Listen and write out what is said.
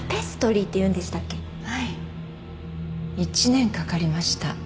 １年かかりました